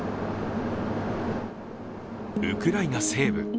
ウクライナ西部。